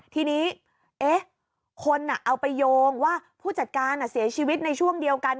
ทีนี้คนเอาไปโยงว่าผู้จัดการเสียชีวิตในช่วงเดียวกัน